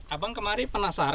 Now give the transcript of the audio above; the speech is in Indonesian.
abang kemarin penasar